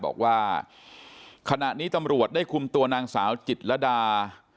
บอกว่าขณะนี้ตำรวจได้คุมตัวนางสาวจิตรดา